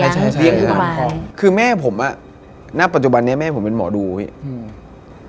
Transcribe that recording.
ใช่คือแม่ผมอะณปัจจุบันนี้แม่ผมเป็นหมอดูพี่